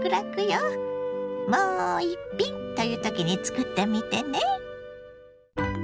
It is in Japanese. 「もう一品」という時に作ってみてね。